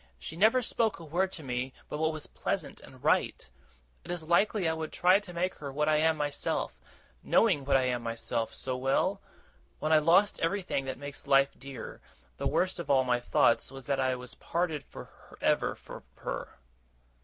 She never spoke a word to me but what was pleasant and right. Is it likely I would try to make her what I am myself, knowing what I am myself, so well? When I lost everything that makes life dear, the worst of all my thoughts was that I was parted for ever from her!